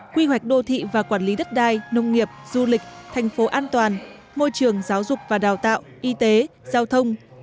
quy hoạch đô thị và quản lý đất đai nông nghiệp du lịch thành phố an toàn môi trường giáo dục và đào tạo y tế giao thông